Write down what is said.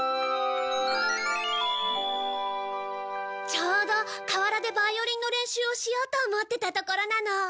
ちょうど河原でバイオリンの練習をしようと思ってたところなの。